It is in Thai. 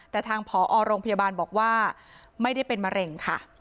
แต่ทางผอโรงพยาบาลบอกว่าไม่ได้เป็นมะเร็งค่ะ